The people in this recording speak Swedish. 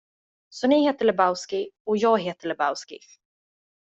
Så ni heter Lebowski, och jag heter Lebowski.